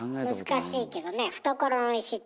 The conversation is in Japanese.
難しいけどね。